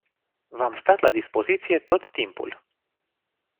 V-am stat la dispoziție tot timpul.